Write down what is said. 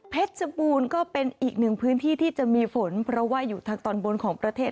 ชบูรณ์ก็เป็นอีกหนึ่งพื้นที่ที่จะมีฝนเพราะว่าอยู่ทางตอนบนของประเทศ